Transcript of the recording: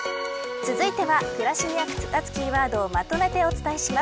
続いては暮らしに役立つキーワードをまとめてお伝えします。